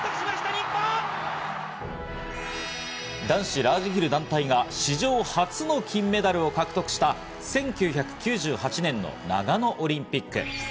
男子ラージヒル団体が史上初の金メダルを獲得した１９９８年の長野オリンピック。